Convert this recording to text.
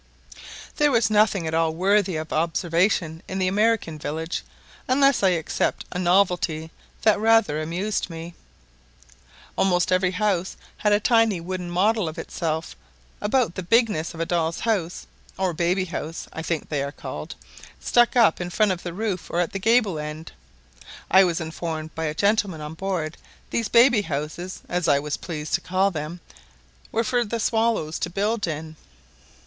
There was nothing at all worthy of observation in the American village, unless I except a novelty that rather amused me. Almost every house had a tiny wooden model of itself, about the bigness of a doll's house, (or baby house, I think they are called,) stuck up in front of the roof or at the gable end. I was informed by a gentleman on board, these baby houses, as I was pleased to call them, were for the swallows to build in.